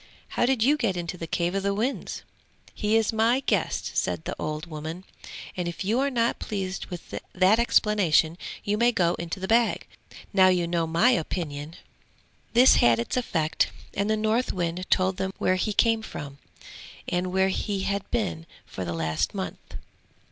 How did you get into the cave of the winds?' 'He is my guest,' said the old woman, 'and if you are not pleased with that explanation you may go into the bag! Now you know my opinion!' This had its effect, and the Northwind told them where he came from, and where he had been for the last month.